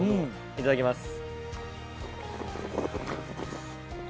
いただきます。